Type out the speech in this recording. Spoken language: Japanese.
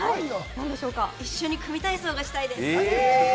一緒に組み体操がしたいです。